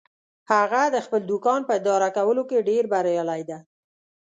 هغه د خپل دوکان په اداره کولو کې ډیر بریالی ده